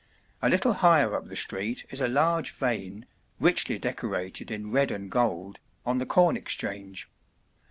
A little higher up the street is a large vane, richly decorated in red and gold, on the Corn Exchange.